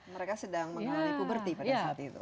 mereka sedang mengalami puberti pada saat itu